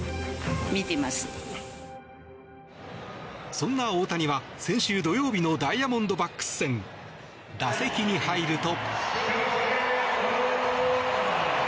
そんな大谷は、先週土曜日のダイヤモンドバックス戦打席に入ると。